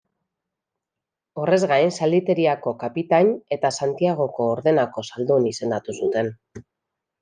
Horrez gain, zalditeriako kapitain, eta Santiagoko Ordenako Zaldun izendatu zuten.